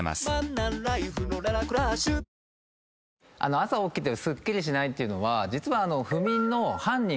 朝起きてすっきりしないっていうのは実は。